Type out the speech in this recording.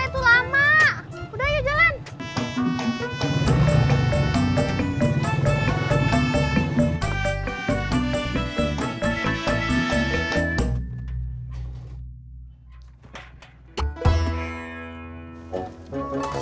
udah ya jalan